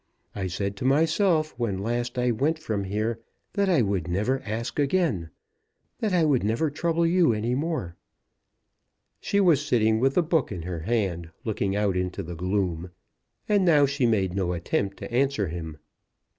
I said to myself when last I went from here that I would never ask again; that I would never trouble you any more." She was sitting with the book in her hand, looking out into the gloom, and now she made no attempt to answer him.